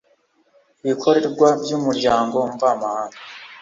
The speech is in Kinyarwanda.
Ibikorwa by umuryango mvamahanga